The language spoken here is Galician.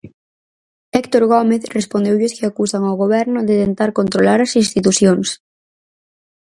Héctor Gómez respondeulle aos que acusan ao Goberno de tentar controlar as institucións.